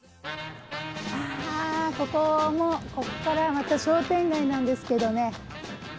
ここからはまた商店街なんですけどね。